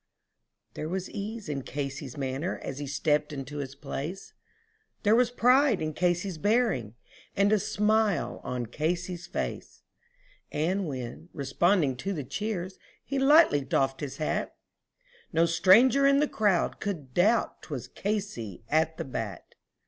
There was ease in Casey's manner as he stepped into his place, There was pride in Casey's bearing and a smile on Casey's face, And when responding to the cheers he lightly doffed his hat, No stranger in the crowd could doubt, 'twas Casey at the bat.